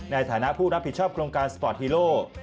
ในฐานะผู้รับผิดชอบโครงการสปอร์ตฮีโร่